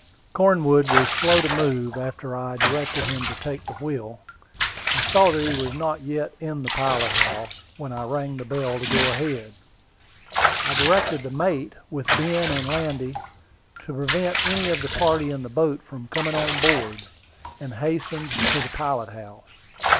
Cornwood was slow to move, after I directed him to take the wheel. I saw that he was not yet in the pilot house, when I rang the bell to go ahead. I directed the mate with Ben and Landy to prevent any of the party in the boat from coming on board, and hastened to the pilot house.